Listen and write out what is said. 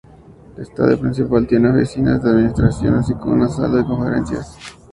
El estadio principal tiene oficinas de administración, así como una sala de conferencias.